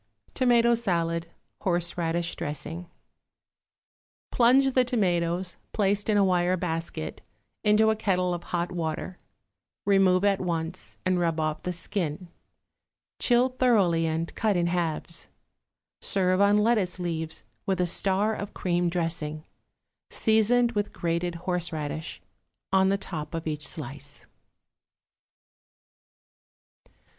=Tomato Salad, Horseradish Dressing.= Plunge the tomatoes, placed in a wire basket, into a kettle of hot water; remove at once and rub off the skin; chill thoroughly and cut in halves. Serve on lettuce leaves with a star of cream dressing, seasoned with grated horseradish, on the top of each slice.